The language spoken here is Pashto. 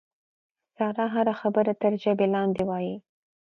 ساره هره خبره تر ژبې لاندې وایي.